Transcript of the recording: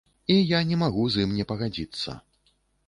І я не магу з ім не пагадзіцца.